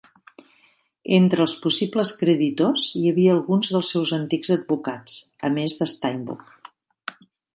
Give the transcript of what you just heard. Entre els possibles creditors hi havia alguns dels seus antics advocats, a més de Steinbuch.